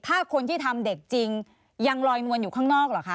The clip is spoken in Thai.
ถ้าคนที่ทำเด็กจริงยังลอยนวลอยู่ข้างนอกเหรอคะ